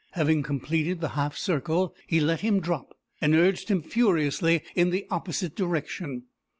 Having completed the half circle, he let him drop, and urged him furiously in the opposite direction.